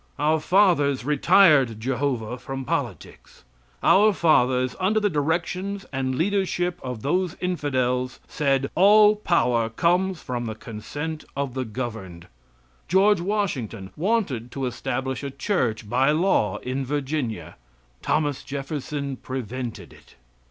Our fathers retired Jehovah from politics. Our fathers, under the directions and leadership of those infidels, said, "All power comes from the consent of the governed." George Washington wanted to establish a church by law in Virginia. Thomas Jefferson prevented it.